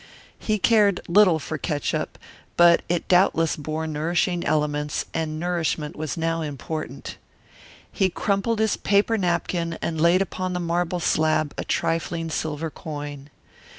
He cared little for catsup, but it doubtless bore nourishing elements, and nourishment was now important. He crumpled his paper napkin and laid upon the marble slab a trifling silver coin.